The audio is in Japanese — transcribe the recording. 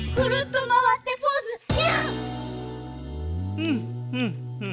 うんうんうんうん。